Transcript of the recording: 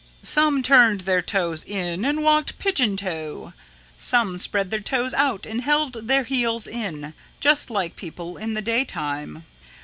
"Some turned their toes in and walked pigeon toe, some spread their toes out and held their heels in, just like people in the daytime.